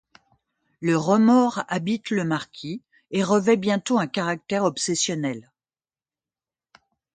Le remords habite le marquis et revêt bientôt un caractère obsessionnel…